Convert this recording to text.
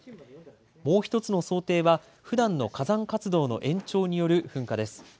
もう一つの想定は、ふだんの火山活動の延長による噴火です。